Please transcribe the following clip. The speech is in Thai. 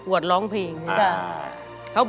ขอบคุณครับ